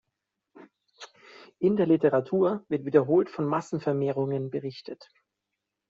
In der Literatur wird wiederholt von Massenvermehrungen berichtet.